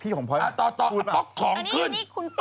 ต่ออัตอของขึ้น